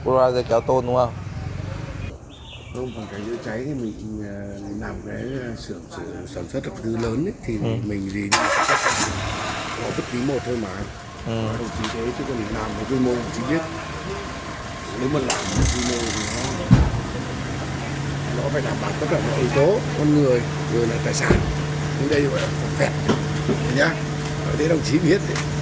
nói thế đồng chí biết đấy